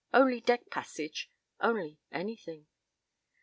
Only deck passage! Only anything!